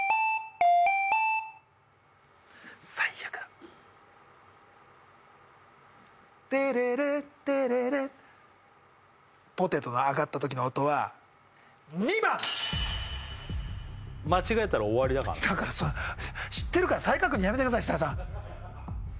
最悪だテレレテレレポテトの揚がった時の音は２番間違えたら終わりだからねだからそう知ってるから再確認やめてください設楽さん